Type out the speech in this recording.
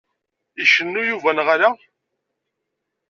Icennu Yuba neɣ ala?